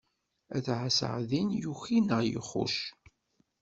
Ad ɛasseɣ din yuki naɣ yexxuc.